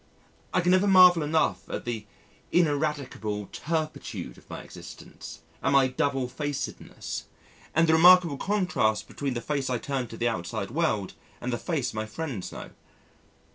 I can never marvel enough at the ineradicable turpitude of my existence, at my double facedness, and the remarkable contrast between the face I turn to the outside world and the face my friends know.